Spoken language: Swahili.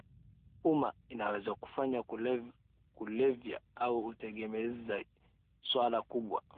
umma inaweza kufanya kulevya au utegemezi suala kubwa